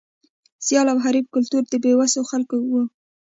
سیال او حریف کلتور د بې وسو خلکو و.